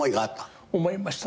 思いました。